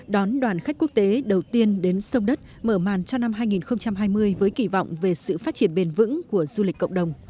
đón đoàn khách quốc tế đầu tiên đến sông đất mở màn cho năm hai nghìn hai mươi với kỳ vọng về sự phát triển bền vững của du lịch cộng đồng